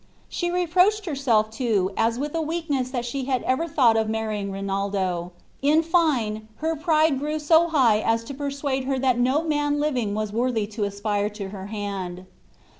She reproached herself too as with a weakness that she had ever thought of marrying Rinaldo; in fine, her pride grew so high as to persuade her that no man living was worthy to aspire to her hand.